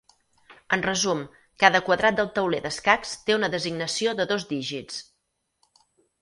En resum, cada quadrat del tauler d'escacs té una designació de dos dígits.